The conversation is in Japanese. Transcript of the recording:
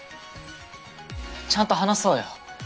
ちゃんと話そうよ。